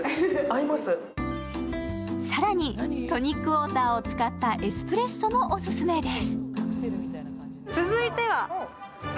更にトニックウォーターを使ったエスプレッソもお薦めです。